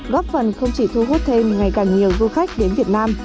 góp phần không chỉ thu hút thêm ngày càng nhiều du khách đến việt nam